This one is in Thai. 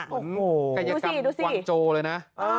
โอ้โหดูสิดูสิกัยยกรรมวางโจเลยนะ